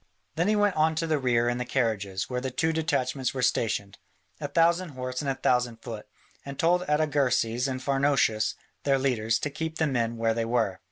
Then he went on to the rear and the carriages, where the two detachments were stationed, a thousand horse and a thousand foot, and told Artagersas and Pharnouchus, their leaders, to keep the men where they were.